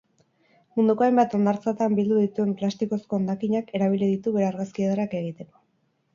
Munduko hainbat hondartzatan bildu dituen plastikozko hondakinak erabili ditu bere argazki ederrak egiteko.